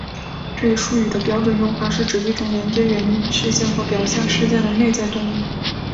这一术语的标准用法是指一种连接原因事件和表象事件的内在动力。